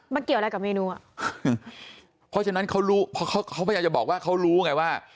มันเกี่ยวอะไรกับเมนูอ่ะเพราะฉะนั้นเขารู้เพราะเขาเขาพยายามจะบอกว่าเขารู้ไงว่า